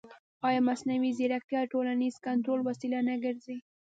ایا مصنوعي ځیرکتیا د ټولنیز کنټرول وسیله نه ګرځي؟